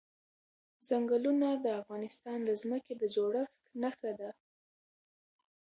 ځنګلونه د افغانستان د ځمکې د جوړښت نښه ده.